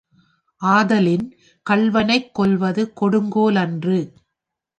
ஆதலின் கள்வனைக் கொல்வது கொடுங்கோலன்று.